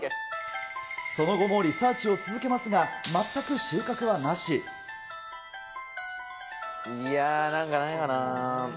その後もリサーチを続けますが、いや、なんかないかな。